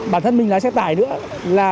bản thân mình lái xe tải nữa là